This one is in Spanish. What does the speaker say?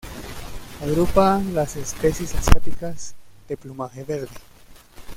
Agrupa las especies asiáticas de plumaje verde.